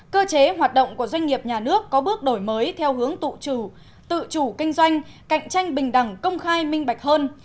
cơ chế hoạt động của doanh nghiệp nhà nước có bước đổi mới theo hướng tụ tự chủ kinh doanh cạnh tranh bình đẳng công khai minh bạch hơn